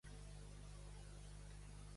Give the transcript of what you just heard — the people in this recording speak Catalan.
A les poques.